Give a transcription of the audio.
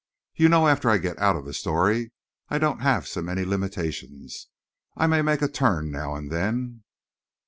You know, after I get out of the story I don't have so many limitations. I make a turn now and then."